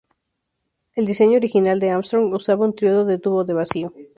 El diseño original de Armstrong usaba un triodo de tubo de vacío.